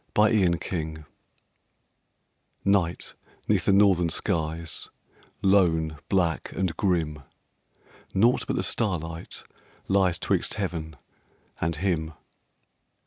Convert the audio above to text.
THE CAMPER Night 'neath the northern skies, lone, black, and grim: Naught but the starlight lies 'twixt heaven, and him.